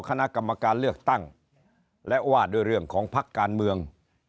คณะกรรมการเลือกตั้งและว่าด้วยเรื่องของพักการเมือง